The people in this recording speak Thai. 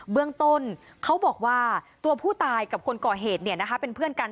เบื้องต้นเขาบอกว่าตัวผู้ตายกับคนก่อเหตุเป็นเพื่อนกัน